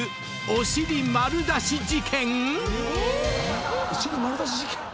お尻丸出し事件⁉